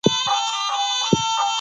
ځینې برېښنايي بڼې مهم رول لري.